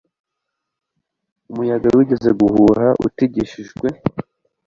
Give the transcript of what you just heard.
umuyaga wigeze guhuha utigishijwe